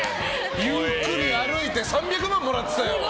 ゆっくり歩いて３００万もらってたよ。